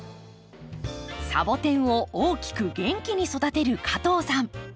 サボテンを大きく元気に育てる加藤さん。